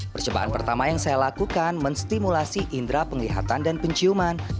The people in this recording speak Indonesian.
percobaan pertama yang saya lakukan menstimulasi indera penglihatan dan penciuman